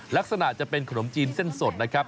ลักษณะจะเป็นขนมจีนเส้นสดนะครับ